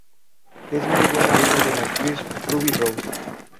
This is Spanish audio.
Es muy buen amigo de la actriz Ruby Rose.